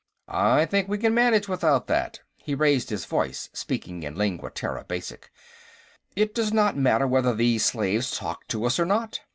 "I think we can manage without that." He raised his voice, speaking in Lingua Terra Basic: "It does not matter whether these slaves talk to us or not.